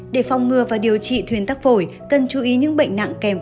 để phòng ngừa và điều trị thuyên tắc phổi cần chú ý những bệnh nặng kèm